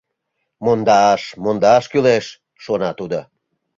«Мондаш, мондаш кӱлеш! — шона тудо.